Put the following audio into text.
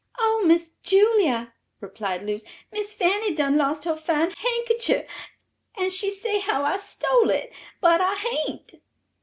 "Oh, Miss Julia," replied Luce, "Miss Fanny done lost her fine hankercher, and she say how I stole it, but I haint."